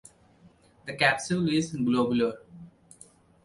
The capsule is globular.